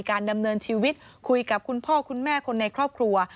ดำเนินชีวิตคุยกับคุณพ่อคุณแม่คนในครอบครัว